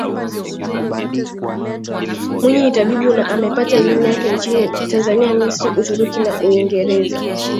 Mwinyi ni tabibu na amepata elimu yake nchini Tanzania Misri Uturuki na Uingereza